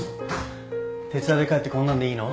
徹夜で帰ってこんなんでいいの？